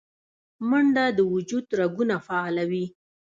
منډه د وجود رګونه فعالوي